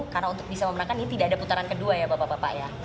karena untuk bisa memenangkan ini tidak ada putaran kedua ya bapak bapak ya